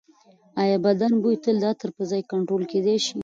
ایا بدن بوی تل د عطر پرځای کنټرول کېدی شي؟